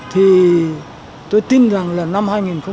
thì tôi tin rằng là năm hai nghìn một mươi chín